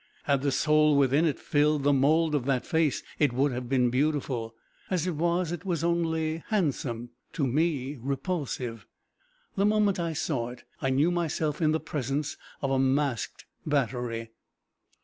Had the soul within it filled the mould of that face, it would have been beautiful. As it was, it was only handsome to me repulsive. The moment I saw it, I knew myself in the presence of a masked battery.